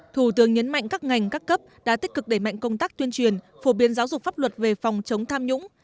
thủ tướng nhấn mạnh các ngành các cấp đã tích cực đẩy mạnh công tác tuyên truyền phổ biến giáo dục pháp luật về phòng chống tham nhũng